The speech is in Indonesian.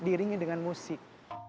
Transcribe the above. dirinya dengan musik